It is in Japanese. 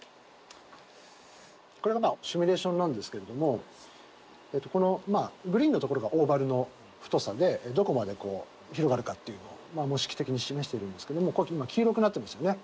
これがシミュレーションなんですけれどもこのグリーンのところがオーバルの太さでどこまで広がるかっていうのを模式的に示してるんですけどもここ黄色くなってますよね。